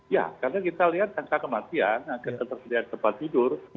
ya karena kita lihat angka kematian angka ketersediaan tempat tidur